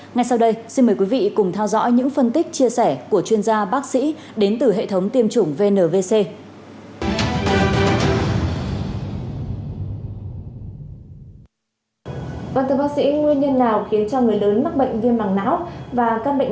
ngay sau đây xin mời quý vị cùng theo dõi những phân tích chia sẻ của chuyên gia bác sĩ đến từ hệ thống tiêm chủng vnvc